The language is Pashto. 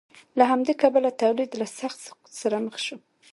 له همدې کبله تولید له سخت سقوط سره مخ شو.